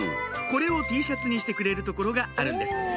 これをＴシャツにしてくれる所があるんです